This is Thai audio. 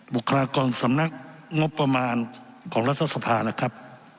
บุคลากรสำนักงบประมาณของรัฐสภานะครับ